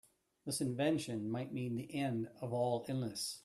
This invention might mean the end of all illness.